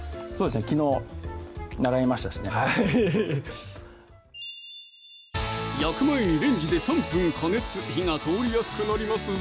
昨日習いましたしねはい焼く前にレンジで３分加熱火が通りやすくなりますぞ